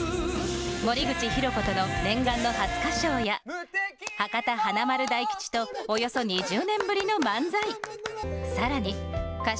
森口博子との念願の初歌唱や、博多華丸・大吉とおよそ２０年ぶりの漫才。